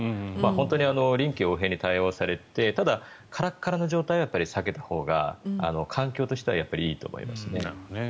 本当に臨機応変に対応されてただ、カラッカラの状態は避けたほうが環境としてはいいと思いますね。